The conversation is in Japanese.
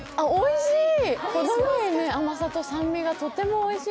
おいしい！